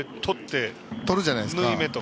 とるじゃないですか。